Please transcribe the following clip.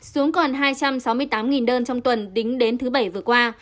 xuống còn hai trăm sáu mươi tám đơn trong tuần tính đến thứ bảy vừa qua